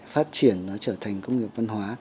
phát triển nó trở thành công nghiệp văn hóa